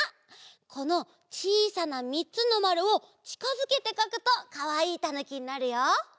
このちいさなみっつのまるをちかづけてかくとかわいいたぬきになるよ。